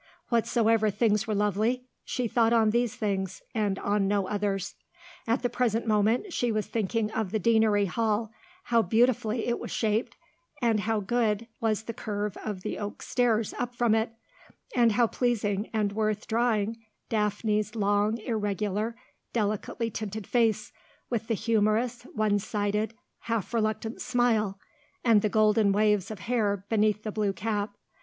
Whatsoever things were lovely, she thought on these things, and on no others. At the present moment she was thinking of the Deanery hall, how beautifully it was shaped, and how good was the curve of the oak stairs up from it, and how pleasing and worth drawing Daphne's long, irregular, delicately tinted face, with the humorous, one sided, half reluctant smile, and the golden waves of hair beneath the blue cap.